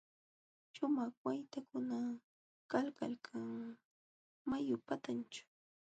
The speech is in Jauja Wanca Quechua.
Śhumaq waytakuna kaykalkan mayu patanćhu.